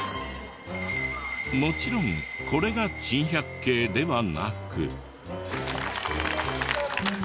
もちろんこれが珍百景ではなく。